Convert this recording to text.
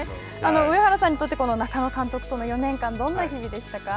上原さんにとって、中野監督との４年間、どんな日々でしたか。